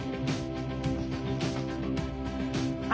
あ。